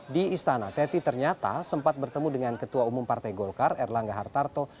di istana teti ternyata sempat bertemu dengan ketua umum partai golkar erlangga hartarto